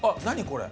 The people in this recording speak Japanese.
これ。